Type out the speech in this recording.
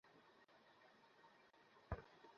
বপন করেছিলে কখন?